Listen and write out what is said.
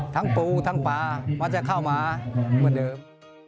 ปูทั้งปลามันจะเข้ามาเหมือนเดิม